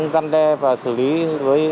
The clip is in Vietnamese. gian đe và xử lý với